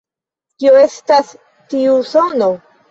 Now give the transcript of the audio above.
Kio estas tiu sono?